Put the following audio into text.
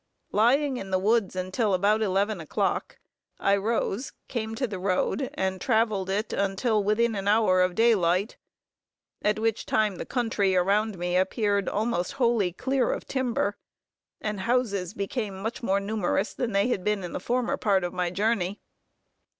Lying in the woods until about eleven o'clock, I rose, came to the road and traveled it until within an hour of daylight, at which time the country around me appeared almost wholly clear of timber; and houses became much more numerous than they had been in the former part of my journey.